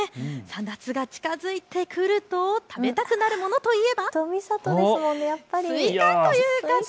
夏が近づいてくると食べたくなるものといえば、スイカ！